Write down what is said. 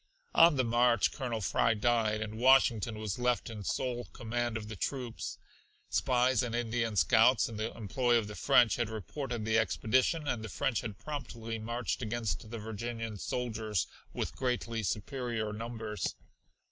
On the march Colonel Fry died, and Washington was left in sole command of the troops. Spies and Indian scouts in the employ of the French had reported the expedition and the French had promptly marched against the Virginian soldiers with greatly superior numbers.